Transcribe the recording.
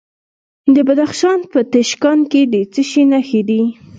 د بدخشان په تیشکان کې د څه شي نښې دي؟